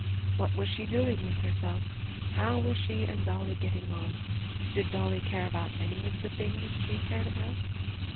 What was she doing with herself? How were she and Dollie getting on? Did Dollie care about any of the things she cared about?